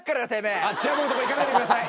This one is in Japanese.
あっチア部のとこ行かないでください。